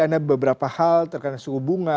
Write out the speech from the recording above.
ada beberapa hal terkait suku bunga